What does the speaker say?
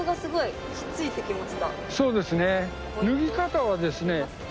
そうですね。